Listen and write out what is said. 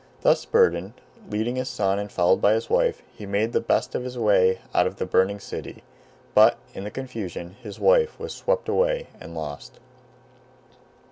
Thus burdened, leading his son and followed by his wife, he made the best of his way out of the burning city; but, in the confusion, his wife was swept away and lost.